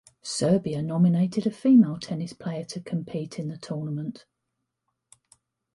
Serbia nominated a female tennis player to compete in the tournament.